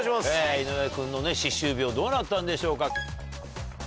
井上君の歯周病どうなったんでしょうか？